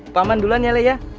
paman duluan ya leh ya